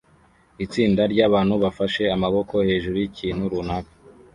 Itsinda ryabantu bafashe amaboko hejuru yikintu runaka